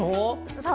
そう。